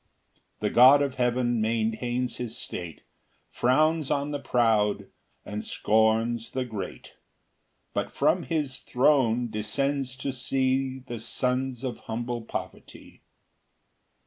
5 The God of heaven maintains his state, Frowns on the proud and scorns the great; But from his throne descends to see The sons of humble poverty.